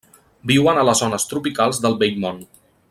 Viuen a les zones tropicals del Vell Món.